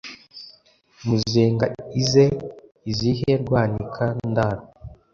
muzenga ize izihe rwanika-ndaro,